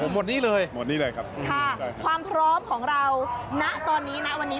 หมดนี้เลยหมดนี้เลยครับค่ะความพร้อมของเราณตอนนี้ณวันนี้